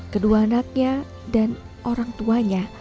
kedua anaknya dan orang tuanya